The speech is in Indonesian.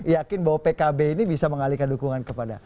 yakin bahwa pkb ini bisa mengalihkan dukungan kepada